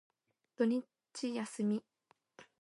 土日休み。